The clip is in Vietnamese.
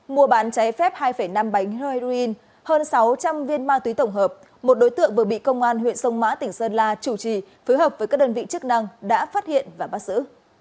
mùa bán cháy phép hai năm bánh heroin hơn sáu trăm linh viên ma túy tổng hợp một đối tượng vừa bị công an huyện sông mã tỉnh sơn la chủ trì phối hợp với các đơn vị chức năng đã phát hiện và bắt giữ